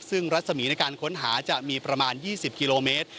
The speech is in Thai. ซึ่งรัศมีในการค้นหาจะมีประมาณ๒๐กิโลเมตร